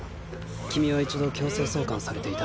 君は一度強制送還されていたな。